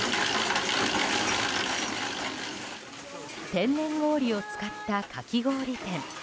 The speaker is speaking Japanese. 天然氷を使ったかき氷店。